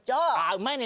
うまいね。